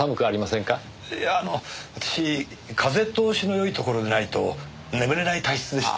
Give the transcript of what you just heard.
いや私風通しのよいところでないと眠れない体質でして。